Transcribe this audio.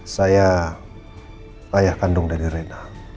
saya ayah kandung dari rena